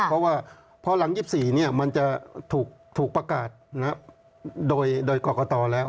เพราะว่าพอหลัง๒๔มันจะถูกประกาศโดยกรกตแล้ว